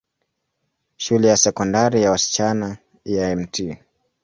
Shule ya Sekondari ya wasichana ya Mt.